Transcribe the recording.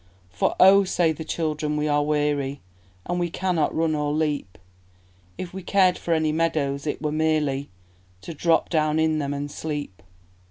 "For oh," say the children, "we are weary, And we cannot run or leap; If we cared for any meadows, it were merely To drop down in them and sleep.